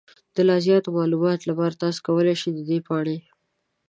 د لا زیاتو معلوماتو لپاره، تاسو کولی شئ د دې پاڼې